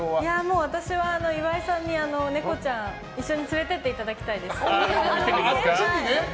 私は岩井さんにネコちゃん一緒に連れて行っていただきたいです。